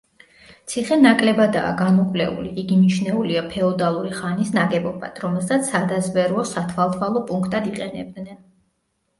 ციხე ნაკლებადაა გამოკვლეული, იგი მიჩნეულია ფეოდალური ხანის ნაგებობად, რომელსაც სადაზვერვო –სათვალთვალო პუნქტად იყენებდნენ.